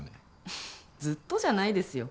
ふふっずっとじゃないですよ。